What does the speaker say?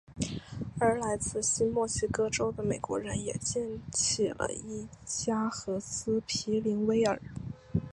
而来自新墨西哥州的美国人也建起了伊加和斯皮灵威尔。